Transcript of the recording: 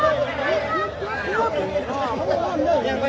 ก่อนซะพาอาฬิท่าส้มปลายจักร